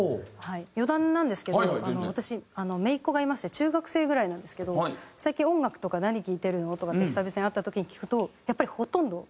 余談なんですけど私姪っ子がいまして中学生ぐらいなんですけど「最近音楽とか何聴いてるの？」とかって久々に会った時に聞くとやっぱりほとんどＫ−ＰＯＰで。